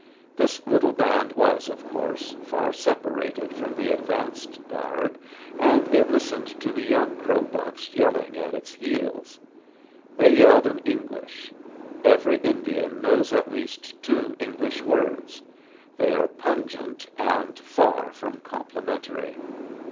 This little band was, of course, far separated from the advance guard, and it listened to the young Crow bucks yelling at its heels. They yelled in English. Every Indian knows at least two English words; they are pungent, and far from complimentary.